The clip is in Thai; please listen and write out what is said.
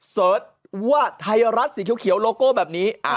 เสิร์ชว่าไทยรัฐสีเขียวโลโก้แบบนี้